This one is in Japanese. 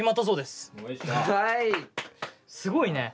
すごいね！